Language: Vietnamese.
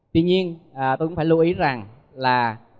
tuy nhiên tôi cũng phải lưu ý rằng là